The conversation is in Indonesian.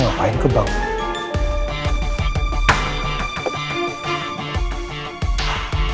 harus pergi bantuin dia